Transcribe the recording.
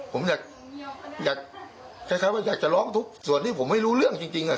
ผมอยากจะร้องทุกส่วนที่ผมไม่รู้เรื่องจริงครับ